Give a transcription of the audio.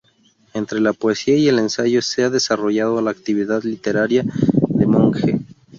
Entre la poesía y el ensayo se ha desarrollado la actividad literaria de Monge.